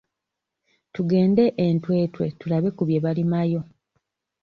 Tugende e Ntwetwe tulabe ku bye balimayo.